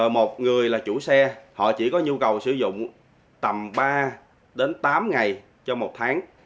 một người là chủ xe họ chỉ có nhu cầu sử dụng tầm ba đến tám ngày cho một tháng